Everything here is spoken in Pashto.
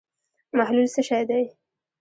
محلول څه شی دی.